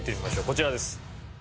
こちらです。